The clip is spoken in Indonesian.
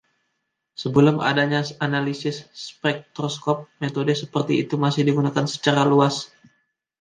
Sebelum adanya analisis spektroskop, metode seperti itu masih digunakan secara luas.